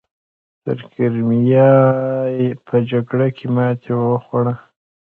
د کریمیا په جګړه کې ماتې وخوړه.